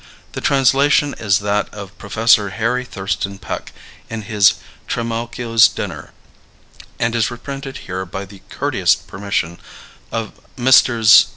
The translation is that of Professor Harry Thurston Peck in his "Trimalchio's Dinner," and is reprinted here by the courteous permission of Messrs.